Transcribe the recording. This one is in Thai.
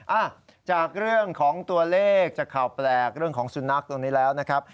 อ่ะจากเรื่องของตัวเลขจากข่าวแปลกเรื่องของสุนัขตัวนี้แล้วนะครับ